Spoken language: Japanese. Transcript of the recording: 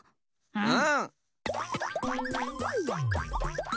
うん。